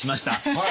はい。